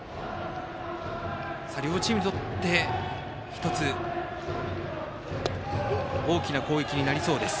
両チームにとって１つ大きな攻撃になりそうです。